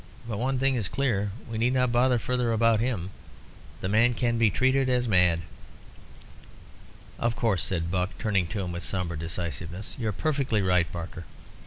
"But one thing is clear we need not bother further about him. The man can be treated as mad." "Of course," said Buck, turning to him with sombre decisiveness. "You're perfectly right, Barker.